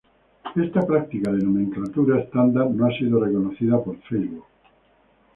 Esta práctica de nomenclatura estándar no ha sido reconocida por Facebook.